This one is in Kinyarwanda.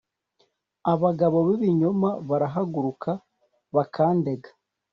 Abagabo b ibinyoma barahaguruka Bakandega